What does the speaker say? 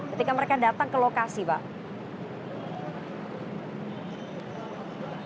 ketika mereka datang ke lokasi pak